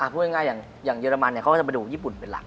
พูดง่ายอย่างเยอรมันเขาก็จะไปดูญี่ปุ่นเป็นหลัก